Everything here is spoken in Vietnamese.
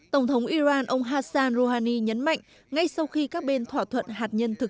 tổng thống iran ông hassan rouhani nhấn mạnh ngay sau khi các bên thỏa thuận hạt nhân thực